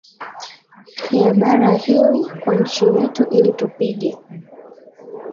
ya bara hili Kwa nchi yetu ili tupige